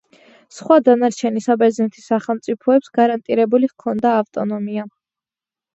სხვა დანარჩენი საბერძნეთის სახელმწიფოებს გარანტირებული ჰქონდა ავტონომია.